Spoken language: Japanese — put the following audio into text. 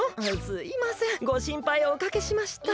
すいませんごしんぱいをおかけしました。